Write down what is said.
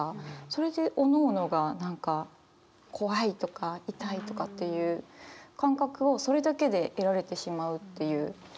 それでおのおのが何か怖いとか痛いとかっていう感覚をそれだけで得られてしまうっていう。